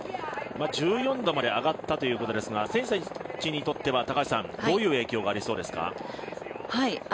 １４度まで上がったということですが、選手たちにとってどういう影響がありそうですか。